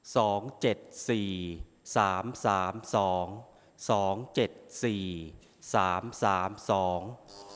สองเจ็ดสี่สามสามสองสองเจ็ดสี่สามสามสอง